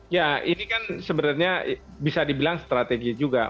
ya ini kan sebenarnya bisa dibilang strategi juga